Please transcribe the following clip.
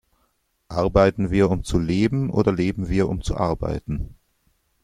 Arbeiten wir, um zu leben oder leben wir, um zu arbeiten?